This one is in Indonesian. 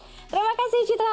terima kasih citra